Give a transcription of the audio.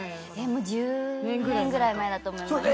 もう１０年ぐらい前だと思います。